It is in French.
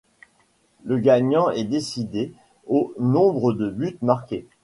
Le gagnant est décidé au nombre de buts marqués.